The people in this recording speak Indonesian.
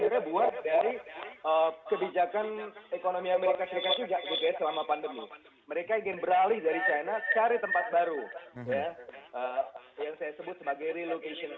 mereka bisa menikmati pertumbuhan eksporan yang cukup signifikan